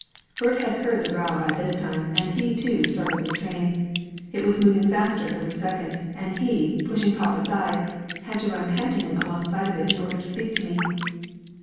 Bert had heard the row by this time, and he, too, started for the train. It was moving faster every sec ond, and he, pushing pop aside, had to run pantingly alongside of it in order to speak to me.